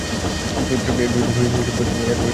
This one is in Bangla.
এর বিরুদ্ধে তুমিই প্রথম আওয়াজ তুলবে!